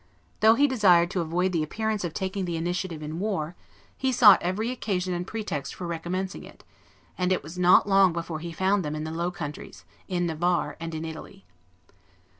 Though he desired to avoid the appearance of taking the initiative in war, he sought every occasion and pretext for recommencing it; and it was not long before he found them in the Low Countries, in Navarre, and in Italy.